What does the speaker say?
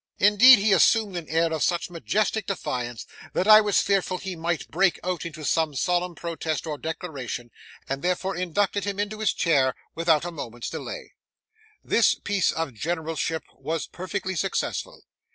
Indeed, he assumed an air of such majestic defiance, that I was fearful he might break out into some solemn protest or declaration, and therefore inducted him into his chair without a moment's delay. This piece of generalship was perfectly successful.